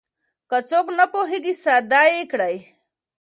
که څوک نه پوهېږي ساده يې کړئ.